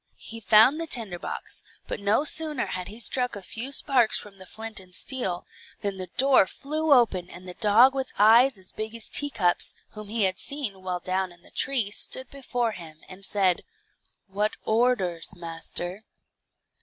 He found the tinder box, but no sooner had he struck a few sparks from the flint and steel, than the door flew open and the dog with eyes as big as teacups, whom he had seen while down in the tree, stood before him, and said, "What orders, master?"